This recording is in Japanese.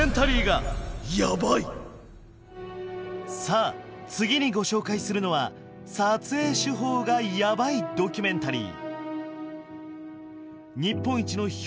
さあ次にご紹介するのは撮影手法がヤバいドキュメンタリー。